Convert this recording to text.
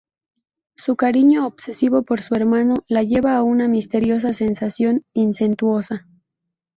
Su cariño obsesivo por su hermano la lleva a una misteriosa sensación incestuosa.